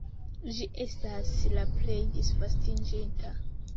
Ĝi estas la plej disvastiĝinta.